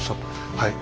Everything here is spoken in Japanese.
はい。